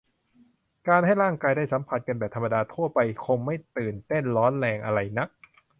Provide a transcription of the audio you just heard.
การให้ร่างกายได้สัมผัสกันแบบธรรมดาทั่วไปคงไม่ตื่นเต้นร้อนแรงอะไรนัก